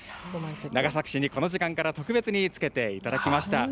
長崎市にこの時間から特別につけていただきました。